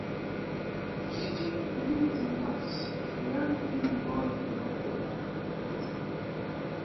Breeding begins in March, with the young being born from October to early December.